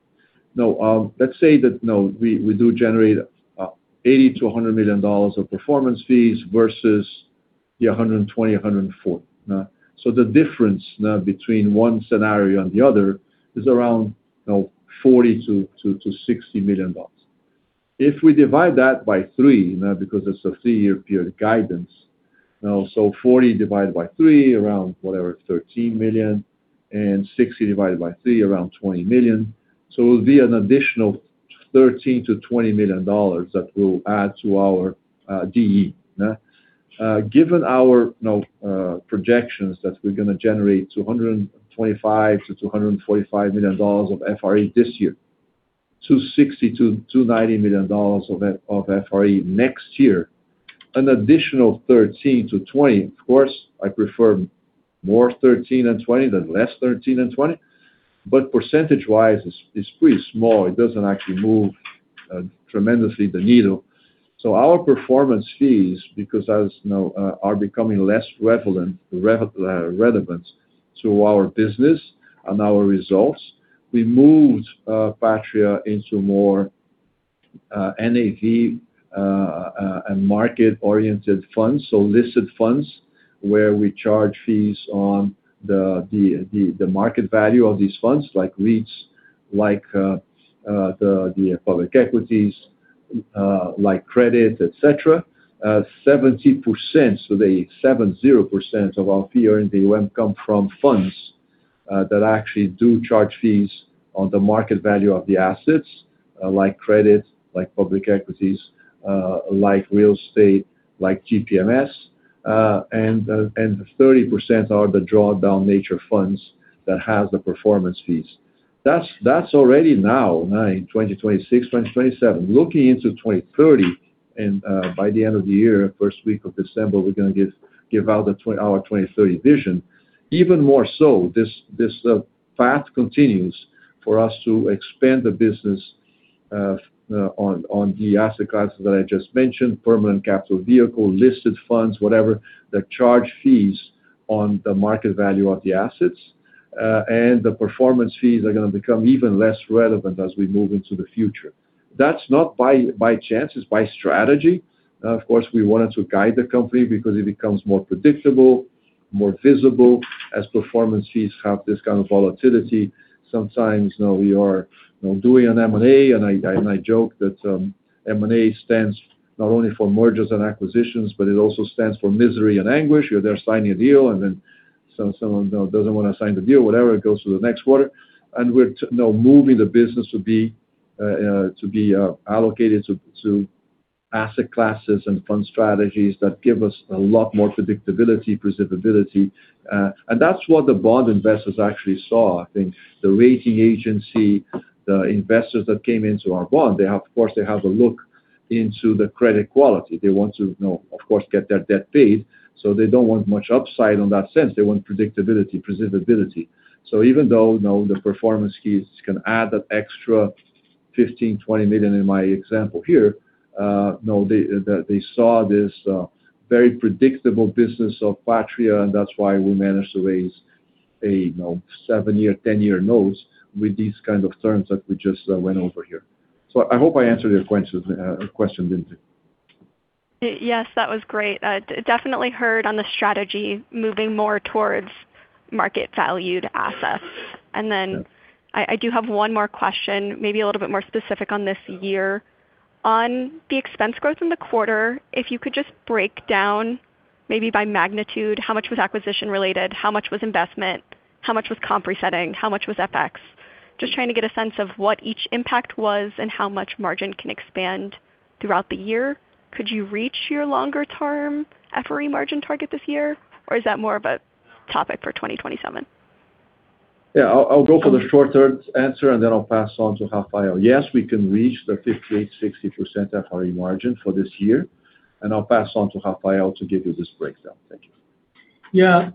you know, let's say that, you know, we do generate $80 million-$100 million of performance fees versus the $120 million, $140 million. The difference, you know, between one scenario and the other is around, you know, $40 million-$60 million. If we divide that by 3, you know, because it's a three-year period guidance. 40 divided by 3, around, whatever, $13 million, and 60 divided by 3, around $20 million. It will be an additional $13 million-$20 million that we'll add to our DE. Given our, you know, projections that we're going to generate $225 million-$245 million of FRE this year, $260 million-$290 million of FRE next year, an additional $13 million-$20 million, of course, I prefer more $13 million-$20 million than less $13 million-$20 million. Percentage-wise, it's pretty small. It doesn't actually move tremendously the needle. Our performance fees, because as, you know, are becoming less relevant to our business and our results, we moved Patria into more NAV and market-oriented funds. Listed funds where we charge fees on the market value of these funds, like REITs, like the public equities, like credit, et cetera. 70%, so the 70% of our fee in the AUM come from funds that actually do charge fees on the market value of the assets, like credit, like public equities, like real estate, like GPMS. 30% are the drawdown nature funds that has the performance fees. That's already now in 2026, 2027. Looking into 2030, by the end of the year, first week of December, we're gonna give out our 2030 vision. Even more so, this path continues for us to expand the business on the asset classes that I just mentioned, permanent capital vehicle, listed funds, whatever, that charge fees on the market value of the assets. The performance fees are gonna become even less relevant as we move into the future. That's not by chance. It's by strategy. Of course, we wanted to guide the company because it becomes more predictable, more visible, as performance fees have this kind of volatility. Sometimes, you know, we are, you know, doing an M&A, and I joke that M&A stands not only for mergers and acquisitions, but it also stands for misery and anguish. You're there signing a deal, someone, you know, doesn't wanna sign the deal, whatever, it goes to the next quarter. We're moving the business to be allocated to asset classes and fund strategies that give us a lot more predictability. That's what the bond investors actually saw. I think the rating agency, the investors that came into our bond, of course, they have a look into the credit quality. They want to, you know, of course, get their debt paid. They don't want much upside on that sense. They want predictability. Even though, you know, the performance fees can add that extra $15 million-$20 million in my example here, you know, they saw this very predictable business of Patria. That's why we managed to raise a, you know, seven-year, ten-year notes with these kind of terms that we just went over here. I hope I answered your question, Lindsey. Yes, that was great. Definitely heard on the strategy moving more towards market valued assets. I do have one more question, maybe a little bit more specific on this year. On the expense growth in the quarter, if you could just break down maybe by magnitude, how much was acquisition related, how much was investment, how much was comp resetting, how much was FX? Just trying to get a sense of what each impact was and how much margin can expand throughout the year. Could you reach your longer term FRE margin target this year, or is that more of a topic for 2027? Yeah. I'll go for the short-term answer, and then I'll pass on to Raphael. Yes, we can reach the 58%-60% FRE margin for this year, and I'll pass on to Raphael to give you this breakdown. Thank you.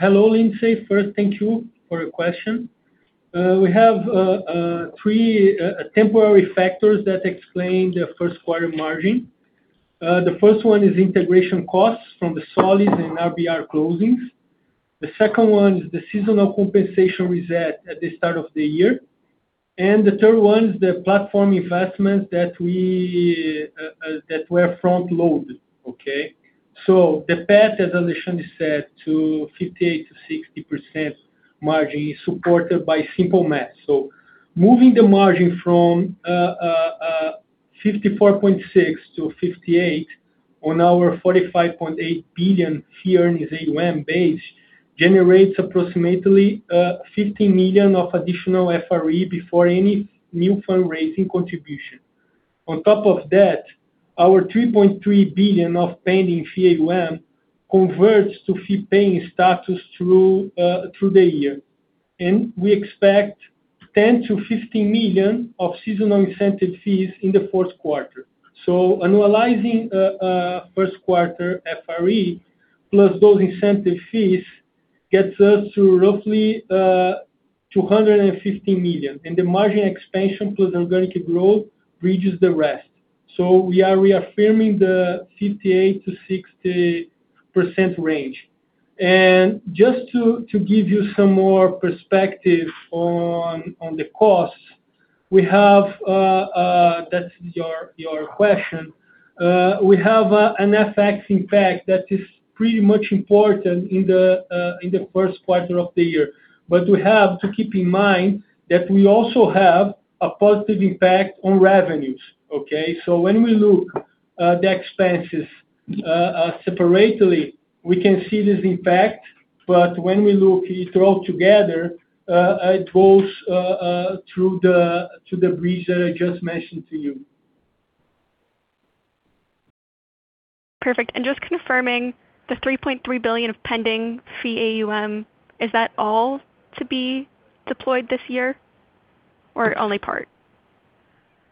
Hello, Lindsey. First, thank you for your question. We have three temporary factors that explain the first quarter margin. The first one is integration costs from the Solis and RBR closings. The second one is the seasonal compensation reset at the start of the year. The third one is the platform investment that were front-loaded. Okay. The path, as Alexandre said, to 58%-60% margin is supported by simple math. Moving the margin from 54.6% to 58% on our $45.8 billion Fee-Earning AUM base generates approximately $50 million of additional FRE before any new fundraising contribution. On top of that, our $3.3 billion of Pending Fee-Earning AUM converts to fee-paying status through the year. We expect $10 million-$15 million of seasonal incentive fees in the fourth quarter. Annualizing first quarter FRE plus those incentive fees gets us to roughly $250 million, and the margin expansion plus organic growth reaches the rest. We are reaffirming the 58%-60% range. Just to give you some more perspective on the costs, we have, that's your question. We have an FX impact that is pretty much important in the first quarter of the year. We have to keep in mind that we also have a positive impact on revenues, okay? When we look, the expenses, separately, we can see this impact, but when we look it all together, it goes to the bridge that I just mentioned to you. Perfect. Just confirming the $3.3 billion of Pending Fee-Earning AUM, is that all to be deployed this year or only part?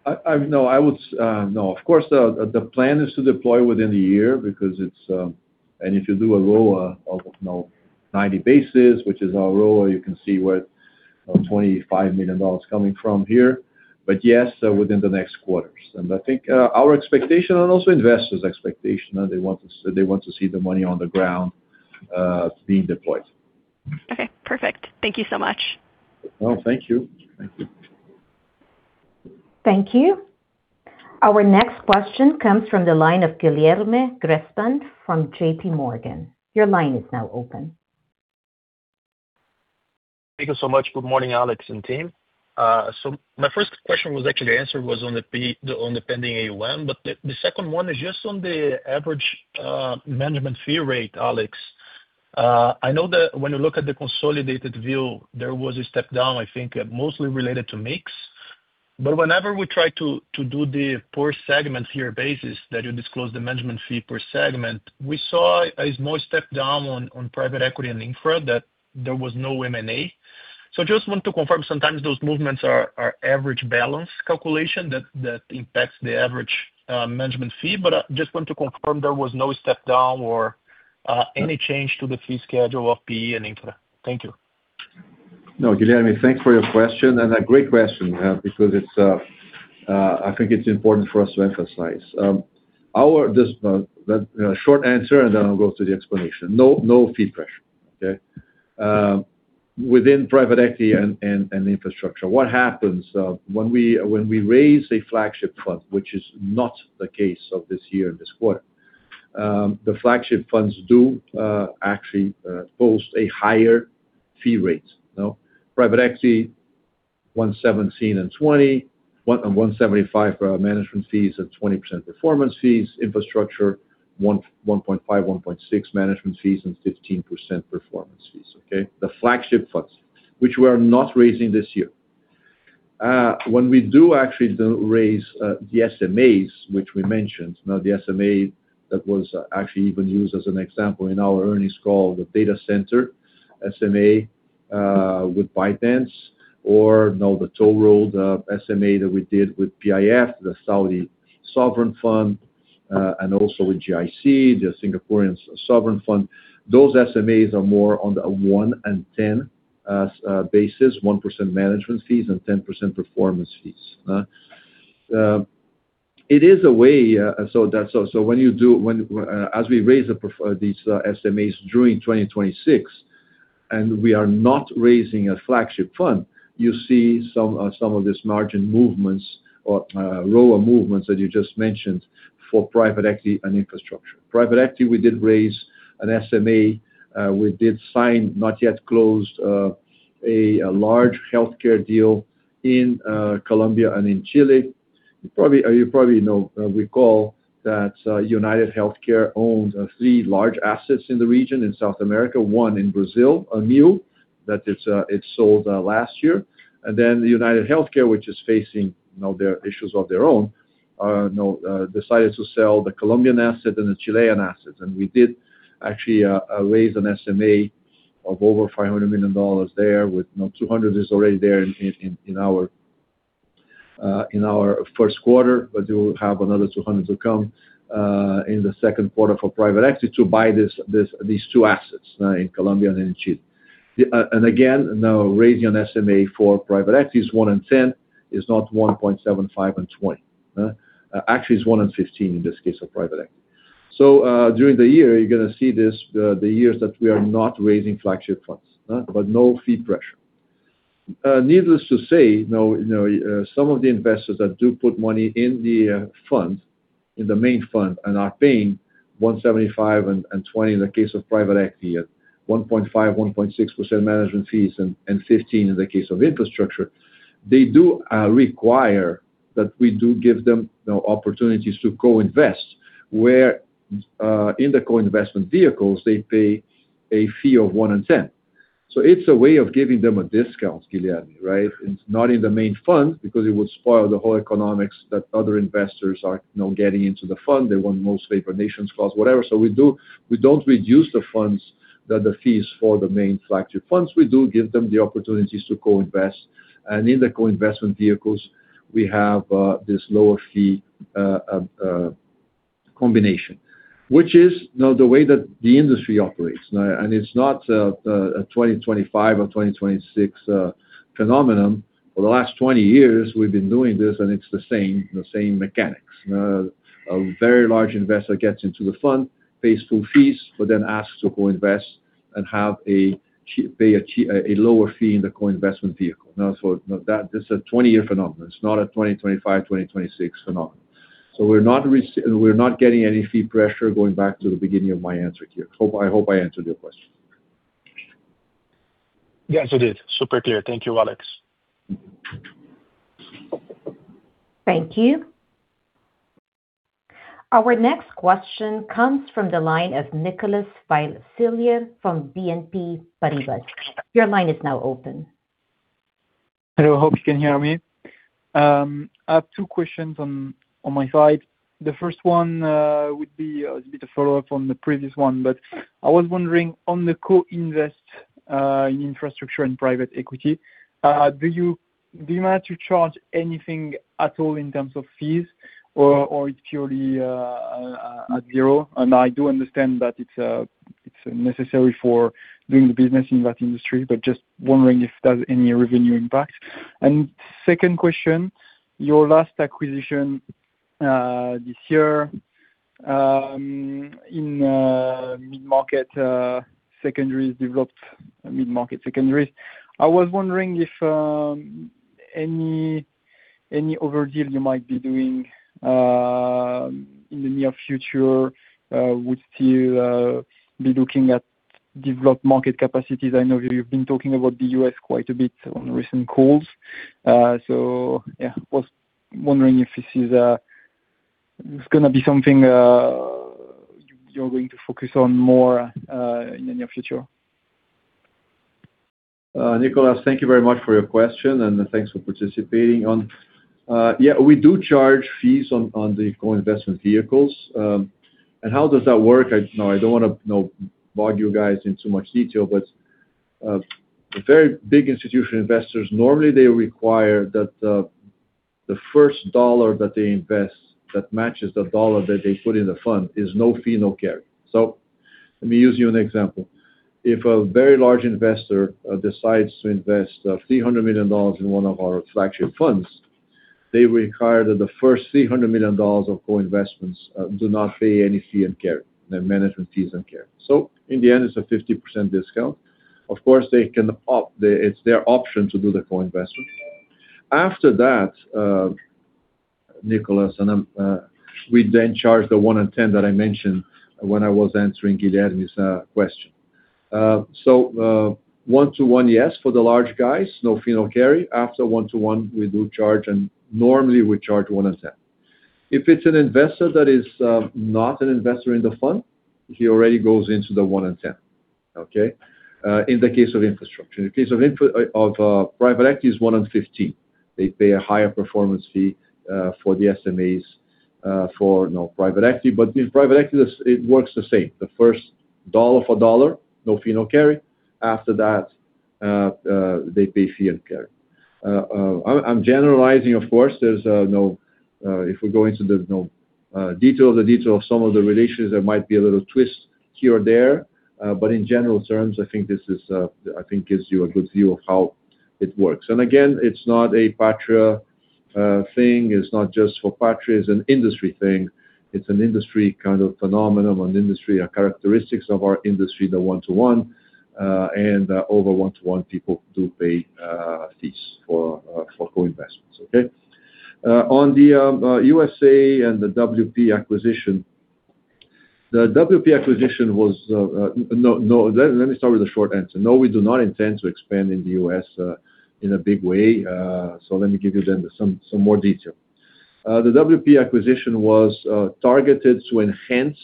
No, I would no. Of course, the plan is to deploy within the year because it's. If you do a roll of, you know, 90 basis, which is our roll, you can see where, you know, $25 million coming from here. Yes, within the next quarters. I think our expectation and also investors' expectation, they want to see the money on the ground being deployed. Okay, perfect. Thank you so much. No, thank you. Thank you. Thank you. Our next question comes from the line of Guilherme Grespan from JPMorgan. Your line is now open. Thank you so much. Good morning, Alex and team. My first question was actually answered, was on the pending AUM. The second one is just on the average management fee rate, Alex. I know that when you look at the consolidated view, there was a step down, I think, mostly related to mix. Whenever we try to do the per segment fee or basis that you disclose the management fee per segment, we saw a small step down on Private Equity and Infra, that there was no M&A. Just want to confirm sometimes those movements are average balance calculation that impacts the average management fee. Just want to confirm there was no step down or any change to the fee schedule of PE and Infra. Thank you. No, Guilherme, thank you for your question, a great question, because it's, I think it's important for us to emphasize. The short answer, then I'll go through the explanation. No, no fee pressure, okay? Within private equity and infrastructure. What happens, when we raise a flagship fund, which is not the case of this year and this quarter, the flagship funds do actually post a higher fee rate. You know? Private Equity 1.17 and 20, 1 and 1.75 for our management fees and 20% performance fees. Infrastructure, 1.5, 1.6 management fees and 15% performance fees, okay? The flagship funds, which we are not raising this year. When we actually raise the SMAs which we mentioned. The SMA that was actually even used as an example in our earnings call, the data center SMA, with ByteDance or the toll road SMA that we did with PIF, the Saudi sovereign fund, and also with GIC, the Singaporean sovereign fund. Those SMAs are more on the 1 and 10 basis, 1% management fees and 10% performance fees. It is a way, so that's all. As we raise these SMAs during 2026, and we are not raising a flagship fund, you see some of this margin movements or lower movements that you just mentioned for private equity and infrastructure. Private equity, we did raise an SMA. We did sign, not yet closed, a large healthcare deal in Colombia and in Chile. You probably, you probably know, recall that UnitedHealthcare owns three large assets in the region in South America, one in Brazil, Amil, that it sold last year. And then, UnitedHealthcare, which is facing now their issues of their own, decided to sell the Colombian asset and the Chilean asset. We did actually raise an SMA of over $500 million there with now 200 is already there in our first quarter. We will have another 200 to come in the second quarter for private equity to buy these two assets in Colombia and in Chile. Again, now raising an SMA for private equity is 1 in 10, is not 1.75 and 20. Actually it's 1 in 15 in this case of private equity. During the year, you're gonna see this, the years that we are not raising flagship funds, but no fee pressure. Needless to say, you know, some of the investors that do put money in the fund, in the main fund and are paying 1.75 and 20 in the case of private equity at 1.5, 1.6% management fees and 15 in the case of infrastructure, they do require that we do give them opportunities to co-invest, where in the co-investment vehicles, they pay a fee of 1 in 10. It's a way of giving them a discount, Guilherme, right? It's not in the main fund because it would spoil the whole economics that other investors are now getting into the fund. They want most favored nations clause, whatever. We don't reduce the funds that the fees for the main flagship funds. We do give them the opportunities to co-invest. In the co-investment vehicles, we have this lower fee combination. Which is now the way that the industry operates. It's not a 2025 or 2026 phenomenon. For the last 20 years, we've been doing this, and it's the same, the same mechanics. A very large investor gets into the fund, pays full fees, but then asks to co-invest and pay a lower fee in the co-investment vehicle. That is a 20-year phenomenon. It's not a 2025, 2026 phenomenon. We're not getting any fee pressure going back to the beginning of my answer here. Hope I answered your question. Yes, you did. Super clear. Thank you, Alex. Thank you. Our next question comes from the line of Nicolas Vaysselier from BNP Paribas. Your line is now open. Hello, hope you can hear me. I have two questions on my side. The first one would be a bit a follow-up on the previous one, but I was wondering on the co-invest in infrastructure and private equity, do you manage to charge anything at all in terms of fees or it's purely at zero? I do understand that it's necessary for doing the business in that industry, but just wondering if there's any revenue impact. Second question, your last acquisition this year in mid-market secondaries developed mid-market secondaries. I was wondering if any other deal you might be doing in the near future would still be looking at developed market capacities. I know you've been talking about the U.S. quite a bit on recent calls. Yeah, was wondering if this is, it's gonna be something, you're going to focus on more, in the near future. Nicolas, thank you very much for your question, and thanks for participating on. We do charge fees on the co-investment vehicles. How does that work? I, now, I don't wanna, you know, bog you guys into much detail, but very big institutional investors, normally, they require that the first dollar that they invest that matches the dollar that they put in the fund is no fee, no carry. Let me use you an example. If a very large investor decides to invest $300 million in one of our flagship funds, they require that the first $300 million of co-investments do not pay any fee and carry, the management fees and carry. In the end, it's a 50% discount. Of course, it's their option to do the co-investment. After that, Nicolas, we charge the 1 in 10 that I mentioned when I was answering Guilherme's question. 1 to 1, yes, for the large guys, no fee, no carry. After 1 to 1, we do charge, normally we charge 1 in 10. If it's an investor that is not an investor in the fund, he already goes into the 1 in 10. Okay? In the case of infrastructure. In the case of private equity is 1 in 15. They pay a higher performance fee for the SMEs, for, you know, private equity. In private equity, it works the same. The first dollar for dollar, no fee, no carry. After that, they pay fee and carry. I'm generalizing, of course, there's no, if we go into the, you know, detail of some of the relationships, there might be a little twist here or there. In general terms, I think this is, I think gives you a good view of how it works. Again, it's not a Patria thing, it's not just for Patria, it's an industry thing. It's an industry kind of phenomenon, an industry characteristics of our industry, the 1 to 1, and over 1 to 1 people do pay fees for for co-investments. Okay? On the USA and the WP acquisition. The WP acquisition was No, let me start with a short answer. No, we do not intend to expand in the U.S. in a big way. Let me give you then some more detail. The WP acquisition was targeted to enhance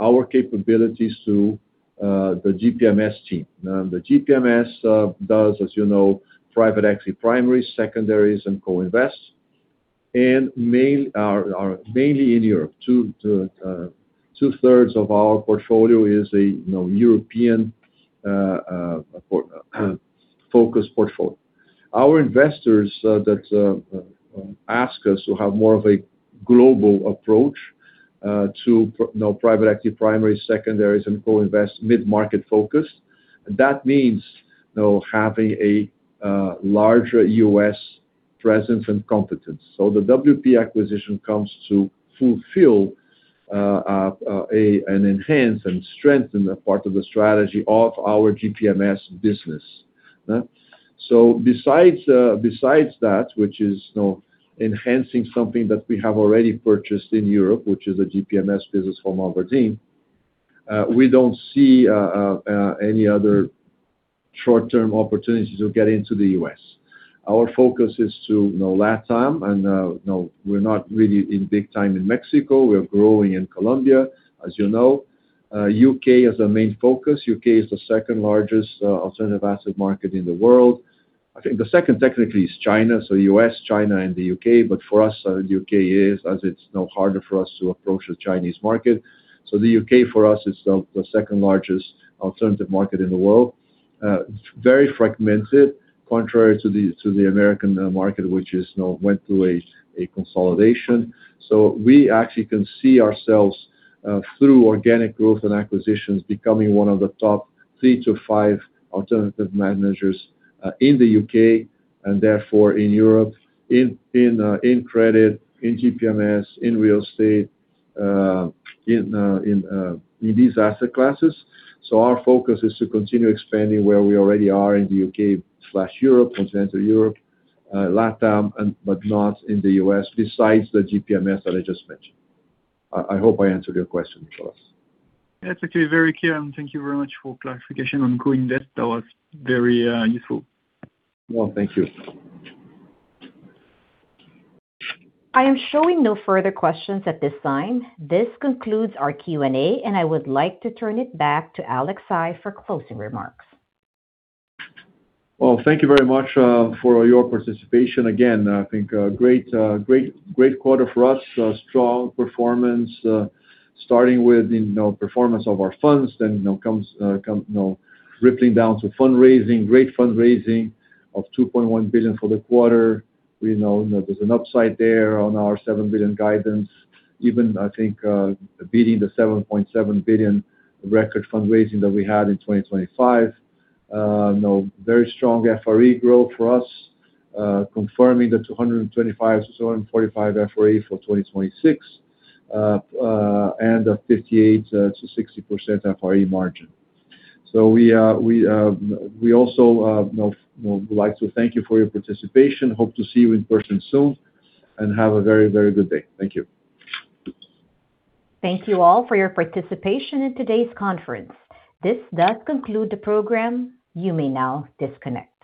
our capabilities through the GPMS team. The GPMS does, as you know, private equity primaries, secondaries, and co-invest, and are mainly in Europe. Two-thirds of our portfolio is a, you know, European focused portfolio. Our investors that ask us to have more of a global approach to, you know, private equity primaries, secondaries, and co-invest mid-market focus. That means, you know, having a larger U.S. presence and competence. The WP acquisition comes to fulfill and enhance and strengthen the part of the strategy of our GPMS business. So besides that, which is, you know, enhancing something that we have already purchased in Europe, which is a GPMS business from abrdn, we don't see any other short-term opportunities to get into the U.S. Our focus is to, you know, LatAm and, you know, we're not really in big time in Mexico. We're growing in Colombia, as you know. U.K. is a main focus. U.K. is the second-largest alternative asset market in the world. I think the second technically is China, so U.S., China, and the U.K. For us, U.K. is, as it's harder for us to approach the Chinese market. The U.K. for us is the second-largest alternative market in the world. Very fragmented, contrary to the American market, which is, you know, went through a consolidation. We actually can see ourselves through organic growth and acquisitions becoming one of the top three to five alternative managers in the U.K. and therefore in Europe, in credit, in GPMS, in real estate, in these asset classes. Our focus is to continue expanding where we already are in the U.K./Europe, continental Europe, LatAm, but not in the U.S. besides the GPMS that I just mentioned. I hope I answered your question, Nicolas. Yeah, it's actually very clear, and thank you very much for clarification on co-invest. That was very useful. Well, thank you. I am showing no further questions at this time. This concludes our Q&A, and I would like to turn it back to Alex Saigh for closing remarks. Well, thank you very much for your participation. Again, I think a great quarter for us. A strong performance, starting with, you know, performance of our funds, then, you know, comes, you know, rippling down to fundraising, great fundraising of $2.1 billion for the quarter. We know there's an upside there on our $7 billion guidance, even, I think, beating the $7.7 billion record fundraising that we had in 2025. You know, very strong FRE growth for us, confirming the $225 million-$245 million FRE for 2026. And a 58%-60% FRE margin. We also, you know, would like to thank you for your participation. Hope to see you in person soon, and have a very, very good day. Thank you. Thank you all for your participation in today's conference. This does conclude the program. You may now disconnect.